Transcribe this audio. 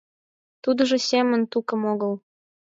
Тудыжо Семен тукым огыл.